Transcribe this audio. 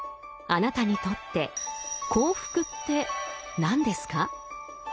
あなたにとって幸福って何ですか？